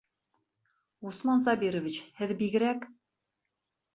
Усман Сабирович, һеҙ бигерәк!